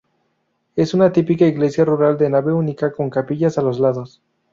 Es una típica iglesia rural de nave única, con capillas a los lados.